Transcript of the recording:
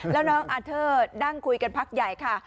แล้วน้องอาเทอร์นั่งคุยกันพักใหญ่ค่ะ